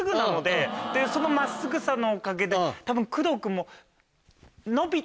その真っすぐさのおかげでたぶん。